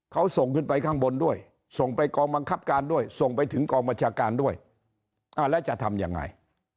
เขาส่งขึ้นไปข้างบนด้วยส่งไปกองบังคับการด้วยส่งไปถึงกองบัญชาการด้วยแล้วจะทำยังไง